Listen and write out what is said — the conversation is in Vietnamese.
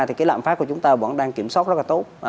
thì cái lạm phát của chúng ta vẫn đang kiểm soát rất là tốt